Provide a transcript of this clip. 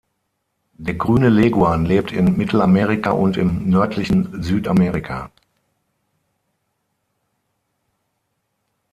Der Grüne Leguan lebt in Mittelamerika und im nördlichen Südamerika.